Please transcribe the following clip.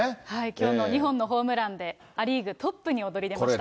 きょうの２本のホームランで、ア・リーグトップに踊り出ましたよ。